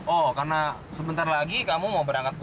oh karena sebentar lagi kamu mau berangkat ke rumah